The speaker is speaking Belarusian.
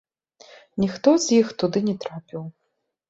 Ніхто з іх туды не трапіў.